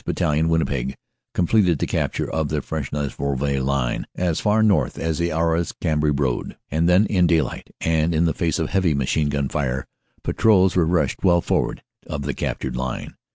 Battalion, Winnipeg, completed the capture of the Fresnes Rouvroy line as far north as the Arras Cambrai road, and then in daylight and in the face of heavy machine gun fire patrols were rushed well forward of the captured line."